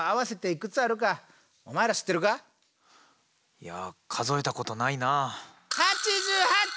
いや数えたことないなあ。